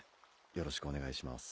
よろしくお願いします。